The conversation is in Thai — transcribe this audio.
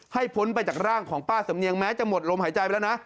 พ้นไปจากร่างของป้าสำเนียงแม้จะหมดลมหายใจไปแล้วนะ